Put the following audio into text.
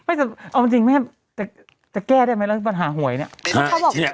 เอาจริงจะแก้ได้ไหมเรื่องปัญหาหวยเนี่ย